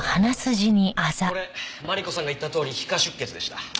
これマリコさんが言ったとおり皮下出血でした。